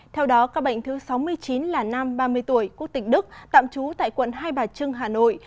theo đó ca bệnh thứ sáu mươi chín là nam ba mươi tuổi quốc tịch đức tạm trú tại quận hai bà trưng hà nội